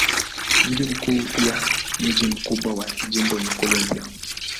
Mji mkuu pia mji mkubwa wa jimbo ni Columbia.